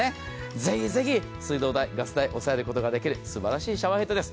ぜひぜひ水道代、ガス代、抑えることができる、すばらしいシャワーヘッドです。